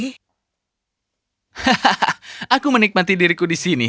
hahaha aku menikmati diriku di sini